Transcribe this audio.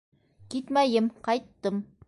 Китмәйем, ҡайттым.